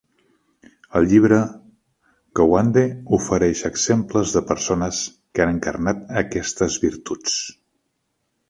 Al llibre, Gawande ofereix exemples de persones que han encarnat aquestes virtuts.